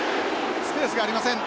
スペースがありません。